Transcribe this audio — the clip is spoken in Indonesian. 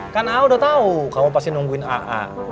kan ah udah tau kamu pasti nungguin ah